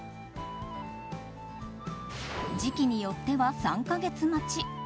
時期によっては３か月待ち。